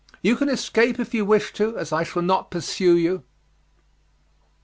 You can escape if you wish to, as I shall not pursue you."